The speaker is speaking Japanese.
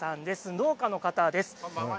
農家の方です。